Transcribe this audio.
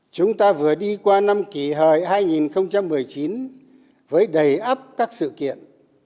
chúng ta vừa đi qua năm kỳ hời hai nghìn một mươi chín với đầy ấp các sự kiện